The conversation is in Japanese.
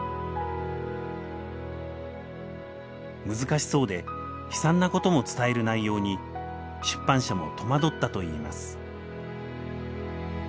難しそうで悲惨なことも伝える内容に出版社も戸惑ったといいます。